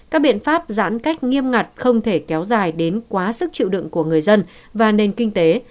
các biện pháp giãn cách nghiêm ngặt không thể kéo dài đến quá sức chịu đựng của người dân và nền kinh tế